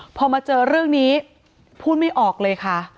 พอมาเจอเรื่องนี้พูดไม่ออกเลยค่ะ